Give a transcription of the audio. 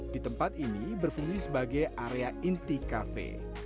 di tempat ini berfungsi sebagai area inti kafe